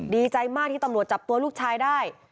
ดีใจมากที่ตำรวจจับตัวลูกชายได้